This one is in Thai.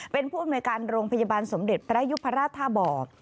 เป็นผู้อำนวยการโรงพยาบาลสมเด็จพระยุพราชท่าบ่อ